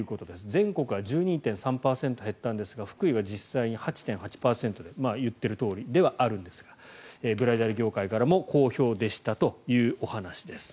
全国は１２．３％減ったんですが福井は実際に８．８％で言っているとおりではありますがブライダル業界からも好評でしたというお話です。